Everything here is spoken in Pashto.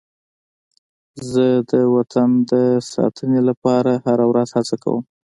زه د وطن د ساتنې لپاره هره ورځ هڅه کوم.